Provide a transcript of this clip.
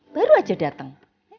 baru aja dateng